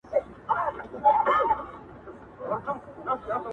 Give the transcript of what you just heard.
که څه هم هيګل، فانون، سعيد، سپيواک